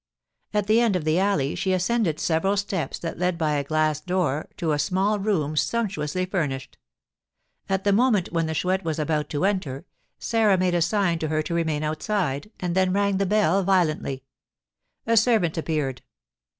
At the end of the alley she ascended several steps that led by a glass door to a small room sumptuously furnished. At the moment when the Chouette was about to enter, Sarah made a sign to her to remain outside, and then rang the bell violently. A servant appeared.